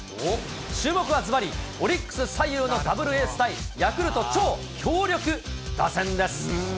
注目はずばり、オリックス左右のダブルエース対、ヤクルト超強力打線です。